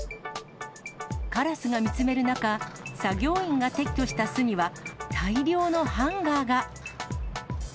カラスが見つめる中、作業員が撤去した巣には、大量のハンガーが。